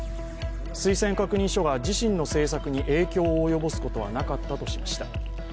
推薦確認書が自身の政策に影響を及ぼすことはなかったとしました。